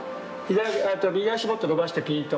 右足もっと伸ばしてピーンと。